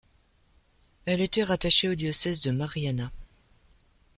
Elle était rattachée au diocèse de Mariana.